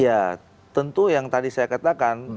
ya tentu yang tadi saya katakan